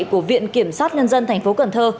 của viện kiểm sát nhân dân thành phố cần thơ